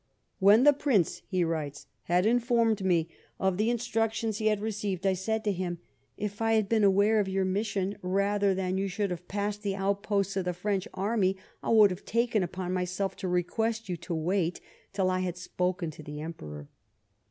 "When the Prince," he writes, " had informed me of the instructions he had received, I said to him :' If I had been aware of j^our mission, rather than you should have passed the outposts of the French armj', I would have taken upou myself to request you to wait, till I had spoken to the Emperor.